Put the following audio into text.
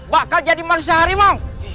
bakal jadi manusia harimau